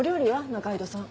仲井戸さん。